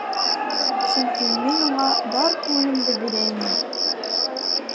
Сөнки мин уға бар күңелемде бирә инем...